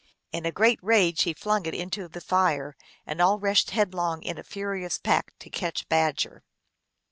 In a great rage he flung it into the fire, and all rushed headlong in a furious pack to catch Badger.